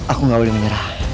aku gak boleh menyerah